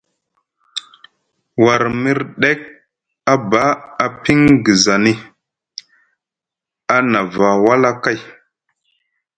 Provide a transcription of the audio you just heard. War murdek a ba epingezani, a nava wala kay.